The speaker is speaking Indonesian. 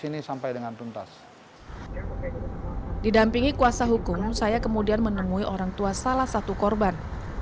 ini sampai dengan tuntas didampingi kuasa hukum saya kemudian menemui orang tua salah satu korban